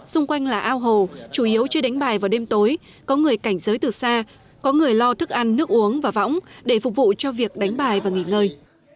xung quanh là ao hồ chủ yếu chưa đánh bài vào đêm tối có người cảnh giới từ xa có người lo thức ăn nước uống và võng để phục vụ cho việc đánh bài và nghỉ ngơi